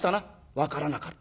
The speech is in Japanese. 分からなかった。